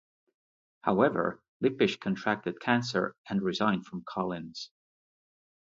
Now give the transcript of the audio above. However, Lippisch contracted cancer, and resigned from Collins.